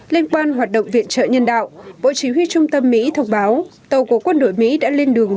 liên quan hoạt động viện trợ nhân đạo bộ chỉ huy trung tâm mỹ thông báo tàu của quân đội mỹ đã lên đường